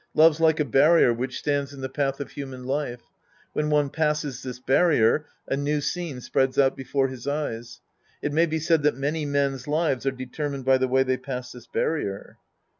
Love's like a barrier which stands in the path of human life. When one passes this barrier, a new scene spreads out before liis eyes. It may be said that many men's lives are determined by the way they pass this barrier.